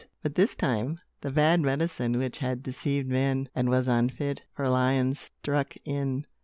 But this time, the bad medicine, which had deceived men, and was unfit for lions, struck in.